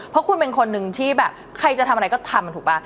เพราะคุณเป็นคนที่ใครจะทำอะไรก็ทำถูกปะ